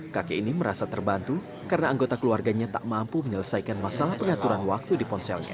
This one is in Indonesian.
kakek ini merasa terbantu karena anggota keluarganya tak mampu menyelesaikan masalah pengaturan waktu di ponselnya